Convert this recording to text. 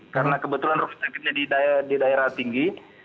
karena kebetulan rumah sakitnya di daerah tinggi